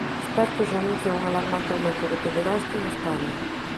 Expertos anuncian un alarmante aumento da pederastia en España